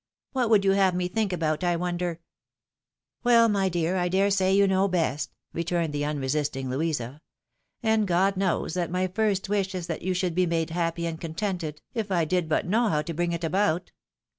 What would you have me think about, I wonder ?"" Well, my dear, I dare say you know best,'' returned the unresisting Louisa. " And God knows that my first wish is that you should be made happy and contented, if I did but know how to bring it about."